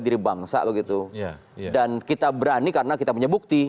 dan kita berani karena kita punya bukti